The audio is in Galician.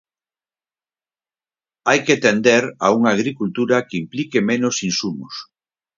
Hai que tender a unha agricultura que implique menos insumos.